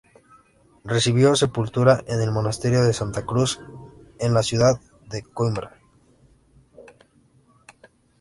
Recibió sepultura en el Monasterio de Santa Cruz en la ciudad de Coímbra.